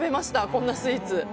こんなスイーツ。